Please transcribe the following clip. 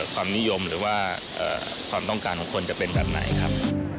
ความนิยมหรือว่าความต้องการของคนจะเป็นแบบไหนครับ